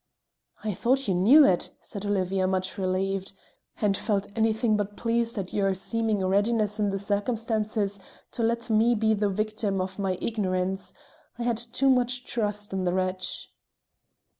"I thought you knew it," said Olivia, much relieved, "and felt anything but pleased at your seeming readiness in the circumstances to let me be the victim of my ignorance. I had too much trust in the wretch."